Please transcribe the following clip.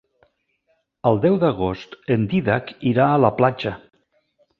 El deu d'agost en Dídac irà a la platja.